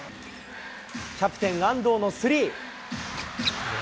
キャプテン、あんどうのスリー。